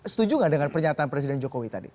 setuju nggak dengan pernyataan presiden jokowi tadi